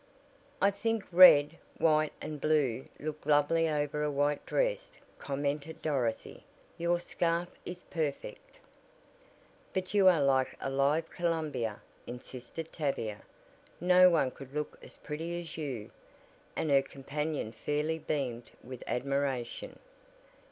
"I think red, white and blue look lovely over a white dress," commented Dorothy. "Your scarf is perfect." "But you are like a live Columbia," insisted Tavia. "No one could look as pretty as you," and her companion fairly beamed with admiration.